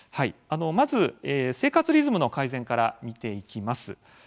まず生活リズムの改善から見ていきます。